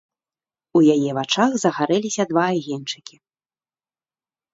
У яе вачах загарэліся два агеньчыкі.